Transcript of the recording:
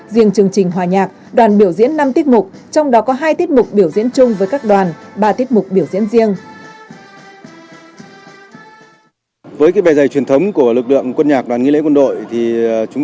riêng chương trình hòa nhạc đoàn biểu diễn năm tiết mục trong đó có hai tiết mục biểu diễn chung với các đoàn ba tiết mục biểu diễn riêng